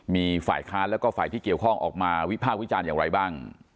มีฝ่ายค้านแล้วก็ฝ่ายที่เกี่ยวข้องออกมาวิภาควิจารณ์อย่างไรบ้าง